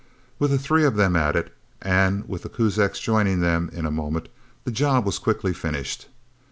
With the three of them at it, and with the Kuzaks joining them in a moment, the job was quickly finished.